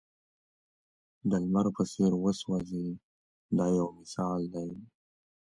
د لمر په څېر وسوځئ دا یو مثال دی.